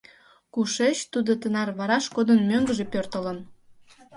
Кушеч тудо тынар вараш кодын мӧҥгыжӧ пӧртылын?